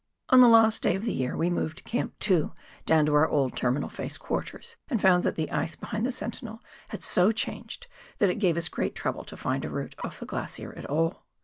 On the last day of the year we moved Camp 2 down to our old terminal face quarters, and found that the ice behind the Sentinel had so changed, that it gave us great trouble to find a route off the glacier at all.